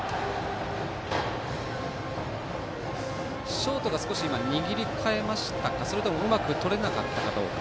ショートが少し握り替えましたかそれとも、うまくとれなかったかどうか。